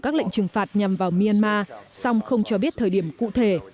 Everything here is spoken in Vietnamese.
các lệnh trừng phạt nhằm vào myanmar song không cho biết thời điểm cụ thể